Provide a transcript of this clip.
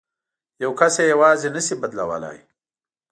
یو کس یې یوازې نه شي بدلولای.